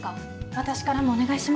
私からもお願いします。